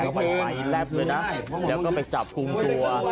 เข้าไปไฟแหละแล้วก็ไปจับจุงตัว